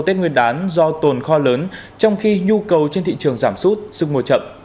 tết nguyên đán do tồn kho lớn trong khi nhu cầu trên thị trường giảm sút